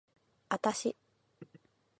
あたし